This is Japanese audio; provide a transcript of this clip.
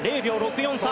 ０秒６４差。